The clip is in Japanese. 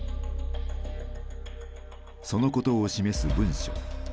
そのことを示す文書。